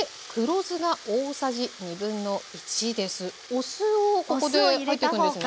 お酢をここで入ってくるんですね？